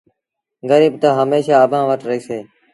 گريٚب تا هميشآ اڀآنٚ وٽ رهيٚسينٚ